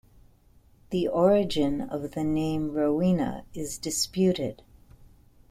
The origin of the name "Rowena" is disputed.